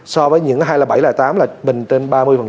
so với những cái hai mươi bảy là tám là mình tên ba mươi